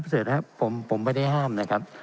ท่านประเศษครับผมไม่ได้ห้ามนะครับ